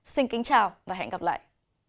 xin kính chào và hẹn gặp lại